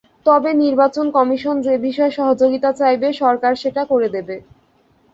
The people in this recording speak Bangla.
তবে নির্বাচন কমিশন যে বিষয়ে সহযোগিতা চাইবে, সরকার সেটা করে দেবে।